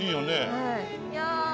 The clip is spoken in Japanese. はい。